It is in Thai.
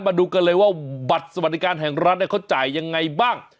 มาดูกันเลยว่าบัตรสวัสดิการแห่งรัฐเขาจ่ายยังไงบ้าง